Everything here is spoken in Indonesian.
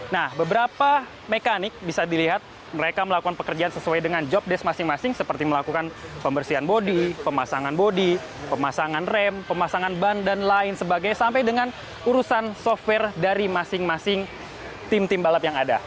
nah beberapa mekanik bisa dilihat mereka melakukan pekerjaan sesuai dengan jobdesk masing masing seperti melakukan pembersihan bodi pemasangan bodi pemasangan rem pemasangan ban dan lain sebagainya sampai dengan urusan software dari masing masing tim tim balap yang ada